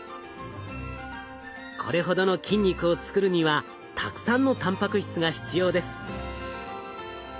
これほどの筋肉を作るにはたくさんのたんぱく質が必要です。